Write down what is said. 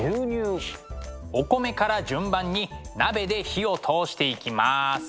お米から順番に鍋で火を通していきます。